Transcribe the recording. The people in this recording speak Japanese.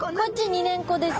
２年子です。